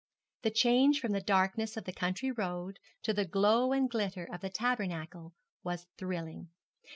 The change from the darkness of the country road to the glow and glitter of the tabernacle was thrilling.